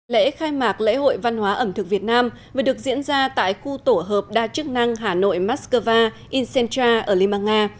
lễ khai mạc lễ hội văn hóa ẩm thực việt nam vừa được diễn ra tại khu tổ hợp đa chức năng hà nội moscova incentra ở liên bang nga